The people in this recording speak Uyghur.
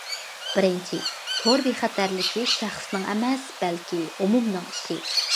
بىرىنچى، تور بىخەتەرلىكى شەخسنىڭ ئەمەس، بەلكى ئومۇمنىڭ ئىشى.